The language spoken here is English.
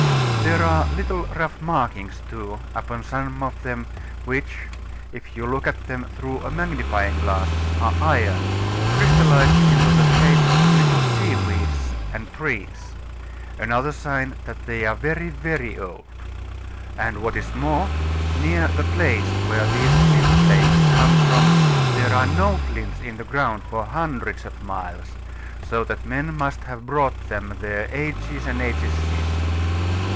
There are little rough markings, too, upon some of them, which, if you look at through a magnifying glass, are iron, crystallised into the shape of little sea weeds and trees another sign that they are very very old. And what is more, near the place where these flint flakes come from there are no flints in the ground for hundreds of miles; so that men must have brought them there ages and ages since.